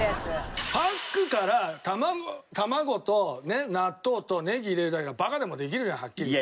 パックから卵と納豆とネギ入れるだけだからバカでもできるじゃんはっきり言って。